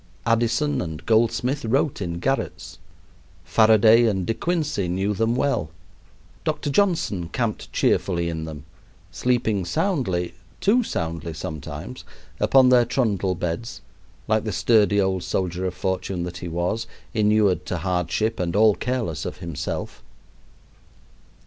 Addison and Goldsmith wrote in garrets. Faraday and De Quincey knew them well. Dr. Johnson camped cheerfully in them, sleeping soundly too soundly sometimes upon their trundle beds, like the sturdy old soldier of fortune that he was, inured to hardship and all careless of himself.